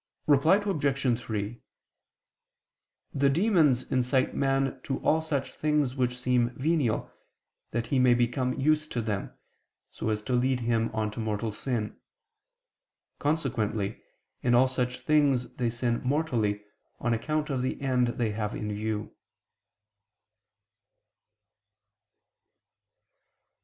Reply Obj. 3: The demons incite man to all such things which seem venial, that he may become used to them, so as to lead him on to mortal sin. Consequently in all such things they sin mortally, on account of the end they have in view.